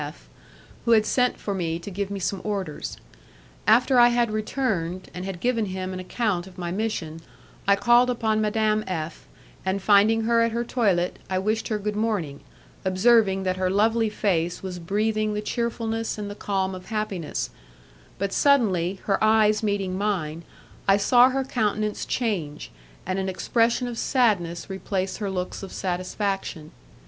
F , who had sent for me to give me some orders. After I had returned, and had given him an account of my mission, I called upon Madame F , and finding her at her toilet I wished her good morning, observing that her lovely face was breathing the cheerfulness and the calm of happiness; but, suddenly, her eyes meeting mine, I saw her countenance change, and an expression of sadness replace her looks of satisfaction.